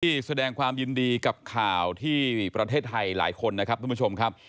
ที่แสดงความยินดีกับข่าวที่ประเทศไทยหลายคนนะครับทุกผู้ชมครับ